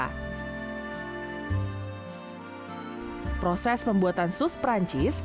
proses pembuatan sous perancis dimulai dengan membuatkan sus perancis